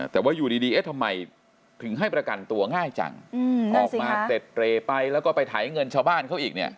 แต่ว่าอยู่ดีเอ๊ะทำไมถึงให้ประกันตัวง่ายจังออกมาเสร็จเรย์ไปแล้วก็ไปไถเงินชาวบ้านเขาอีกเนี่ย